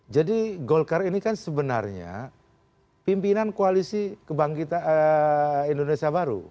jadi golkar ini kan sebenarnya pimpinan koalisi kebangkitan indonesia baru